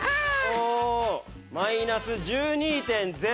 おマイナス１２．０。